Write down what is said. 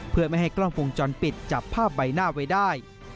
เพื่อไม่ให้กล้องวงจรปิดจับภาพใบหน้าไว้ได้